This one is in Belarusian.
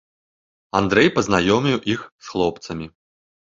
Андрэй пазнаёміў іх з хлопцамі.